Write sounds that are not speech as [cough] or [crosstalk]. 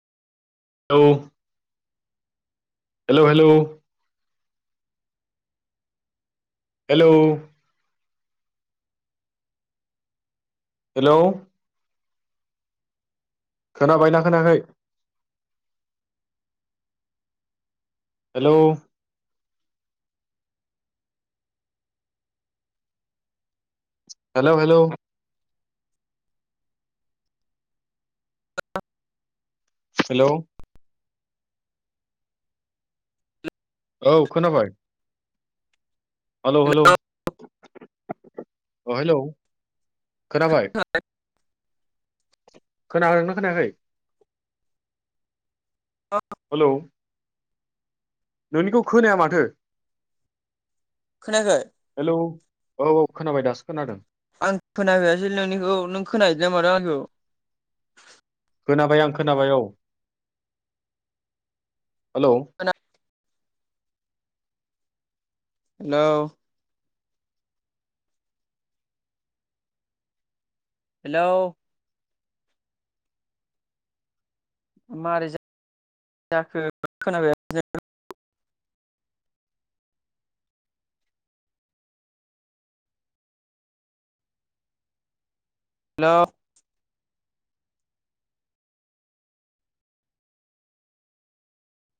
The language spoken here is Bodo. Hello hello hello. Hello hello. खोनाबायना खोनायाखै? हेलौ हेलौ हेलौ हेलौ औ खोनाबाय? हालौ हेलौ अ हेलौ खोनाबाय? खोनादोंना खोनायाखै? हेलौ नोंनिखौ खोनाया माथो? खोनायाखै? हेलौ औ औ खोनाबाय दासो खोनादों। आं खोना फैयासै नोंनिखौ नों खोना हैदोंना मादों आंनिखौ? खोनाबाय आं खोनाबाय औ। हालौ आंनिखौ हेलौ। हेलौ। मारै जा [inaudible] खो [unintelligible] हेल'